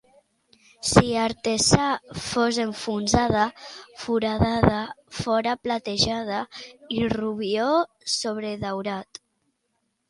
Si Artesa fos enfonsada, Foradada fora platejada i Rubió sobredaurat.